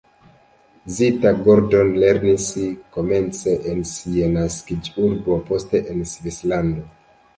Zita Gordon lernis komence en sia naskiĝurbo, poste en Svislando.